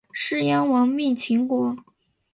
士鞅亡命秦国。